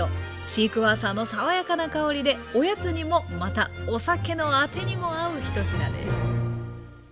シークワーサーのさわやかな香りでおやつにもまたお酒のアテにも合う１品です。